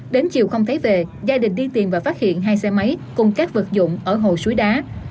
đến chiều không thấy về gia đình đi tìm và phát hiện hai xe máy cùng các vật dụng ở hồ suối đá